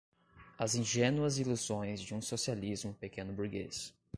as ingênuas ilusões de um socialismo pequeno-burguês